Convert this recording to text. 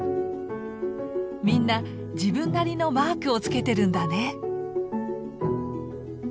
みんな自分なりのマークをつけてるんだね。